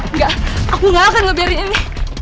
enggak aku gak akan ngebiarin ini